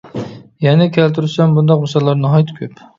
يەنە كەلتۈرسەم بۇنداق مىساللار ناھايىتى كۆپ.